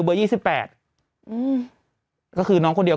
เทรนการเดินแป๊บเดียว